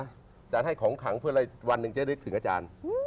อาจารย์ให้ของขังเพื่อวันหนึ่งจะได้รู้ถึงอาจารย์